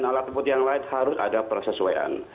alat bukti yang lain harus ada persesuaian